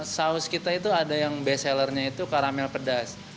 saus kita itu ada yang bestsellernya itu karamel pedas